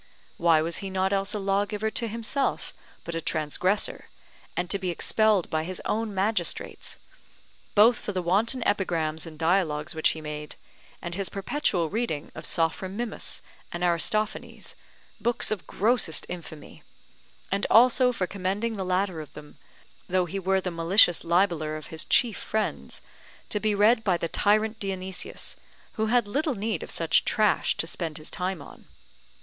Why was he not else a lawgiver to himself, but a transgressor, and to be expelled by his own magistrates; both for the wanton epigrams and dialogues which he made, and his perpetual reading of Sophron Mimus and Aristophanes, books of grossest infamy, and also for commending the latter of them, though he were the malicious libeller of his chief friends, to be read by the tyrant Dionysius, who had little need of such trash to spend his time on?